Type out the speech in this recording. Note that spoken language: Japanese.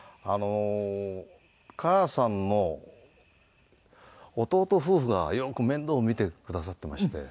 母さんの弟夫婦がよく面倒を見てくださってまして。